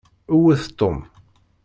Wwet Tom.